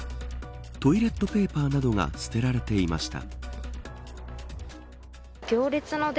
トイレットペーパーなどが捨てられていました。